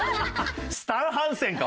スタン・ハンセンか！